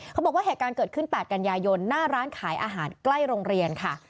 เหตุการณ์เกิดขึ้น๘กันยายนหน้าร้านขายอาหารใกล้โรงเรียนค่ะ